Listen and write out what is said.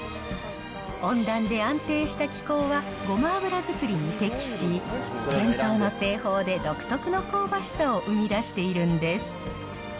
温暖で安定した気候は、ごま油作りに適し、伝統の製法で独特の香ばしさを生み出しているんです。